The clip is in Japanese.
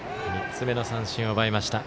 ３つ目の三振を奪いました。